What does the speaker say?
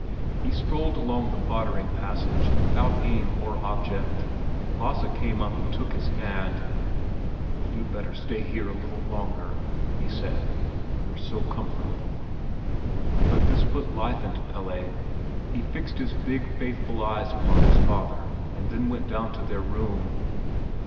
He strolled along the foddering passage without aim or object. Lasse came up and took his hand. "You'd better stay here a little longer," he said. "We're so comfortable." But this put life into Pelle. He fixed his big, faithful eyes upon his father, and then went down to their room.